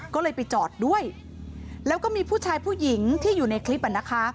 ก็เลยไปจอดด้วยแล้วก็มีผู้ชายผู้หญิงที่อยู่ในคลิปอ่ะนะคะ